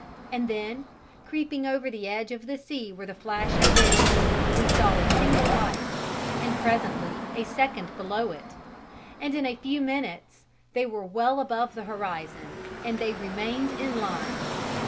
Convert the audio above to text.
And then, creeping over the edge of the sea where the flash had been, we saw a single light, and presently a second below it, and in a few minutes they were well above the horizon and they remained in line!